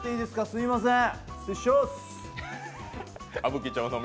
すいません。